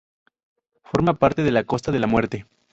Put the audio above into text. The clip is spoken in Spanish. Forma parte de la Costa de la Muerte.